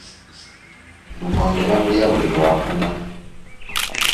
Lumonde bamulya buli lwakuna.